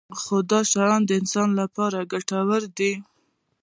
خو دا شیان د انسان لپاره ګټور دي.